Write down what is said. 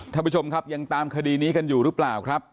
ท่านผู้ชมครับยังตามคดีนี้กันอยู่หรือเปล่าครับ